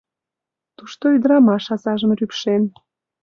Тушто ӱдырамаш азажым рӱпшен: